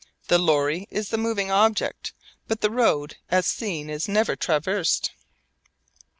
The lorry is the moving object. But the road as seen is never traversed.